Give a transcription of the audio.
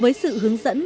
với sự hướng dẫn